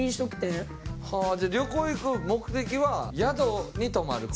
じゃあ旅行行く目的は宿に泊まる事？